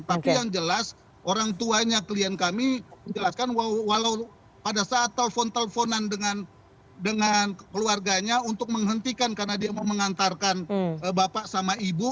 tapi yang jelas orang tuanya klien kami menjelaskan walau pada saat telpon telponan dengan keluarganya untuk menghentikan karena dia mau mengantarkan bapak sama ibu